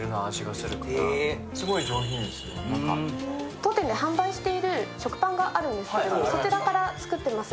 当店で販売している食パンがあるんですけども、そちらから作っております